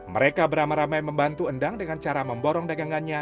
mereka beramai ramai membantu endang dengan cara memborong dagangannya